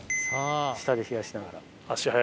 下で冷やしながら。